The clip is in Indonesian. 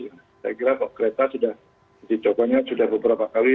saya kira kok kereta sudah dicobanya sudah beberapa kali